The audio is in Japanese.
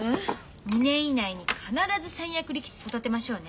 ２年以内に必ず三役力士育てましょうね。